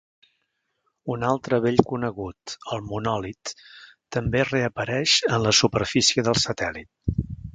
Un altre vell conegut, el monòlit, també reapareix en la superfície del satèl·lit.